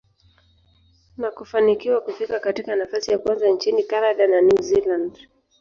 na kufanikiwa kufika katika nafasi ya kwanza nchini Canada na New Zealand.